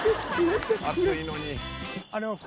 「暑いのに」